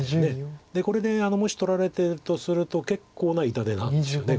これでもし取られてるとすると結構な痛手なんですよね